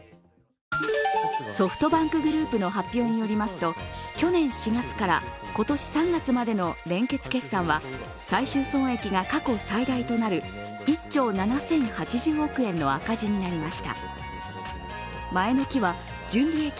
ソフトバンクグループの発表によりますと去年４月から今年３月までの連結決算は最終損益が過去最大となる１兆７０８０億円の赤字になりました。